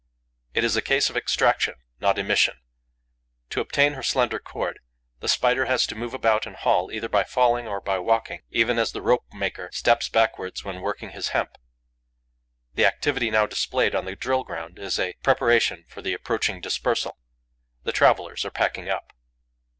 It is a case of extraction, not emission. To obtain her slender cord, the Spider has to move about and haul, either by falling or by walking, even as the rope maker steps backwards when working his hemp. The activity now displayed on the drill ground is a preparation for the approaching dispersal. The travellers are packing up.